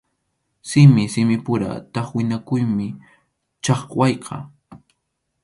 Simi simipura tʼaqwinakuymi chʼaqwayqa.